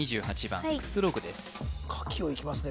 書きをいきますね